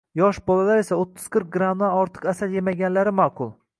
Yosh bolalar esa o'ttiz-qirq grammdan ortiq asal yemaganlari ma’qul.